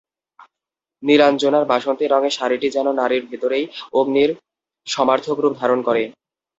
নীলাঞ্জনার বাসন্তী রঙের শাড়িটি যেন নারীর ভেতরেই অগ্নির সমার্থক রূপ ধারণ করে।